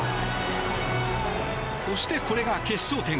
そして、これが決勝点。